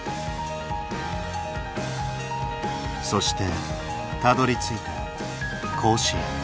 そしてたどりついた甲子園。